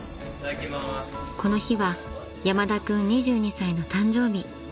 ［この日は山田君２２歳の誕生日］